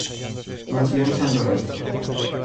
Nació en San Lorenzo.